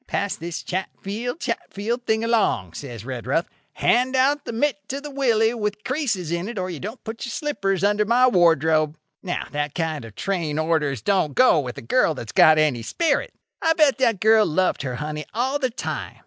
'Pass this chatfield chatfield thing along,' says Redruth;—'hand out the mitt to the Willie with creases in it or you don't put your slippers under my wardrobe.' "Now that kind of train orders don't go with a girl that's got any spirit. I bet that girl loved her honey all the time.